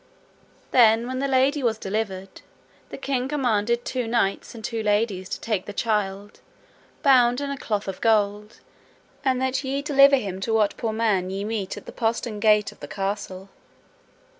Then when the lady was delivered, the king commanded two knights and two ladies to take the child, bound in a cloth of gold, and that ye deliver him to what poor man ye meet at the postern gate of the castle.